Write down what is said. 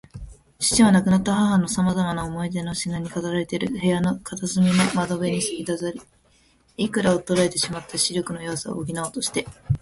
父は、亡くなった母のさまざまな思い出の品に飾られている部屋の片隅の窓辺に坐り、いくらか衰えてしまった視力の弱さを補おうとして